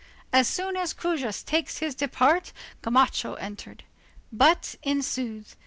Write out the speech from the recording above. As soon as Cujas had taken his departure, Gamacho entered. But, in sooth!